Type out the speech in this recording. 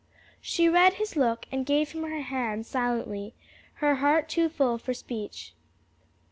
She read his look and gave him her hand silently, her heart too full for speech.